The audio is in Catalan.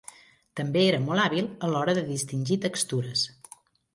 També era molt hàbil a l'hora de distingir textures.